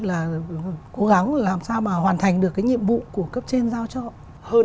và cố gắng làm sao mà hoàn thành được cái nhiệm vụ của cấp trên giao cho họ